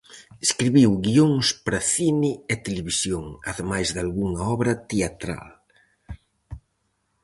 Escribiu guións para cine e televisión, ademais dalgunha obra teatral.